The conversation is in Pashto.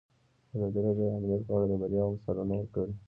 ازادي راډیو د امنیت په اړه د بریاوو مثالونه ورکړي.